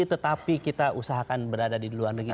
tetapi kita usahakan berada di luar negeri